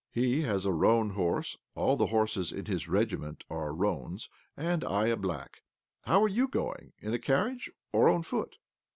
He has a roan horse — all the horses in his regiment are roans — and I a black. How are you going— in a carriage or on foot?